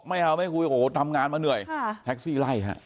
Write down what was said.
ไม่เอาไม่คุยโอ้โหทำงานมาเหนื่อยแท็กซี่ไล่ฮะ